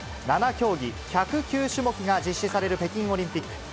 ７競技１０９種目が実施される北京オリンピック。